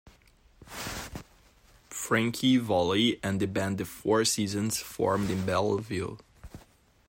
Frankie Valli and the band The Four Seasons formed in Belleville.